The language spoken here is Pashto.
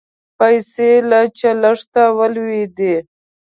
پیسې له چلښته ولوېدې